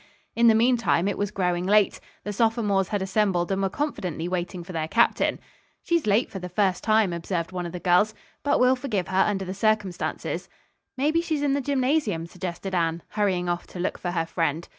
In the meantime, it was growing late. The sophomores had assembled and were confidently waiting for their captain. "She's late for the first time," observed one of the girls, "but we'll forgive her under the circumstances." "Maybe she's in the gymnasium," suggested Anne, hurrying off to look for her friend.